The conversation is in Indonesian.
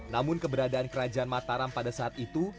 namun keberadaan kerajaan mataram pada saat itu